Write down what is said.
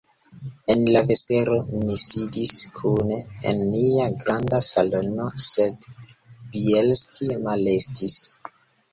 En la vespero ni sidis kune en nia granda salono, sed Bjelski malestis.